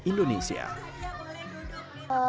kampung dongeng indonesia